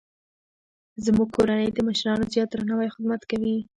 زموږ کورنۍ د مشرانو زیات درناوی او خدمت کوي